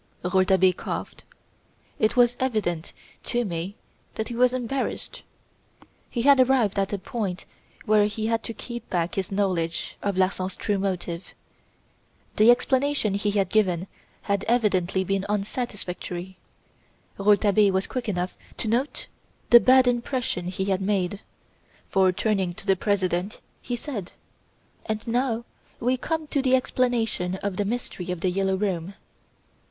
Rouletabille coughed. It was evident to me that he was embarrassed. He had arrived at a point where he had to keep back his knowledge of Larsan's true motive. The explanation he had given had evidently been unsatisfactory. Rouletabille was quick enough to note the bad impression he had made, for, turning to the President, he said: "And now we come to the explanation of the Mystery of "The Yellow Room"!"